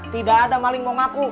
tidak ada maling mau ngaku